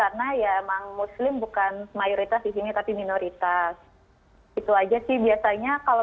cara yama muslim bukan mayoritas di sini tapi minoritas hai itu aja sih biasanya kalau